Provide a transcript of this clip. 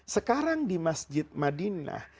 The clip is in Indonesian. sekarang di masjid madinah